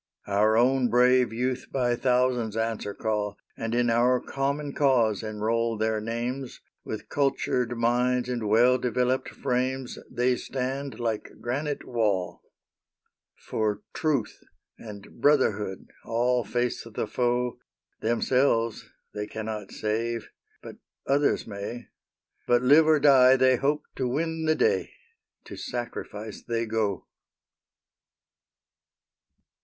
Our own brave youth by thousands answer call, And in our common cause enroll their names; With cultured minds and well developed frames They stand like granite wall. For truth and brotherhood all face the foe; Themselves they cannot save, but others may. But, live or die, they hope to win the day. To sacrifice they go!